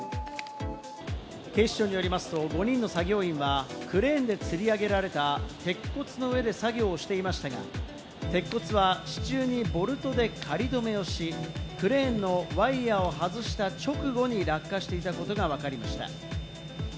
警視庁によりますと５人の作業員は、クレーンでつり上げられた鉄骨の上で作業をしていましたが、鉄骨は支柱にボルトで仮止めをし、クレーンのワイヤを外した直後に落下していたことがわかりました。